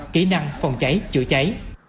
kỹ năng phòng chảy chữa cháy